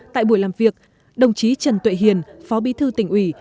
tại buổi làm việc đồng chí trần tuệ hiền phó bí thư tỉnh ủy